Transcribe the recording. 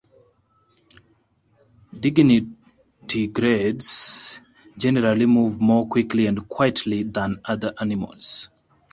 Digitigrades generally move more quickly and quietly than other animals.